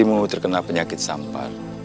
istrimu terkena penyakit sampah